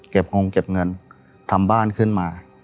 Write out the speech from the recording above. คงเก็บเงินทำบ้านขึ้นมา